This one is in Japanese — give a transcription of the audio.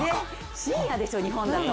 深夜ですよ、日本だと。